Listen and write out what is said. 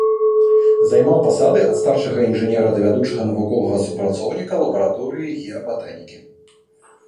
Займаў пасады ад старшага інжынера да вядучага навуковага супрацоўніка лабараторыі геабатанікі.